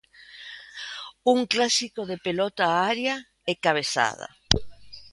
Un clásico de pelota á área e cabezada.